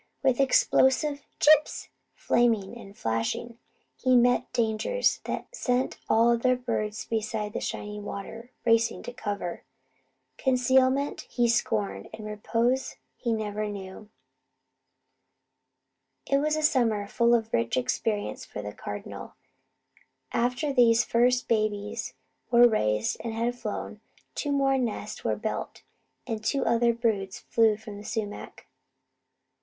With explosive "chips" flaming and flashing, he met dangers that sent all the other birds beside the shining river racing to cover. Concealment he scorned; and repose he never knew. It was a summer full of rich experience for the Cardinal. After these first babies were raised and had flown, two more nests were built, and two other broods flew around the sumac.